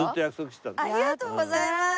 ありがとうございます。